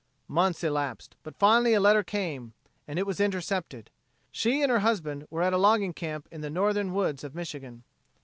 Months elapsed, but finally a letter came, and was intercepted. She and her husband were at a logging camp in the northern woods of Michigan.